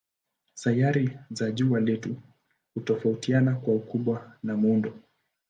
Sayari za jua letu hutofautiana kwa ukubwa na muundo.